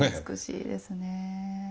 美しいですね。